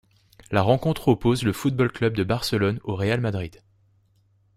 La rencontre oppose le Football Club de Barcelone au Real Madrid.